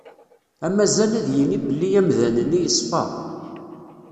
Amazan ad yini belli amdan-nni yeṣfa.